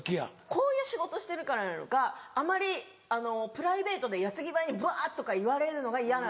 こういう仕事してるからなのかあまりプライベートで矢継ぎ早にぶわっとか言われるのが嫌なんですよ。